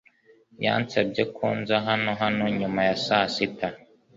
Yansabye ko nza hano hano nyuma ya saa sita.